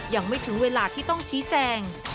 ยังไม่ถึงเวลาที่ต้องชี้แจง